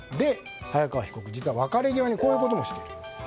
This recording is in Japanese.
早川被告、別れ際にこういうことをしているんです。